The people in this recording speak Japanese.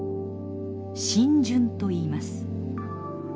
浸潤といいます。